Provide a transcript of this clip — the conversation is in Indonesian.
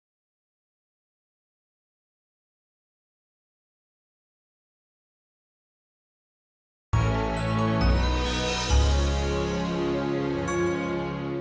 mama pasti seneng liat kamu